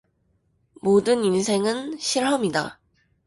모든 인생은 실험이다.